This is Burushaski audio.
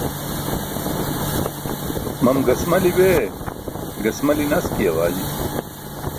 Mam gasmali bee gasmali naski awaji.